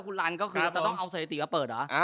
คุณหาเขาใส่หัวดีบ้าง